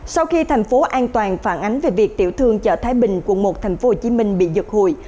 sau khi thành phố an toàn phản ánh về việc tiểu thương chợ thái bình quận một thành phố hồ chí minh bị giật hùi